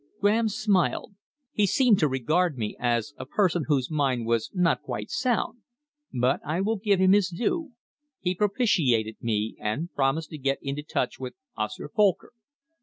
Graham smiled. He seemed to regard me as a person whose mind was not quite sound. But I will give him his due. He propitiated me, and promised to get into touch with Oscar Folcker.